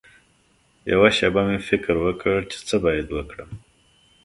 یوه شېبه مې فکر وکړ چې څه باید وکړم.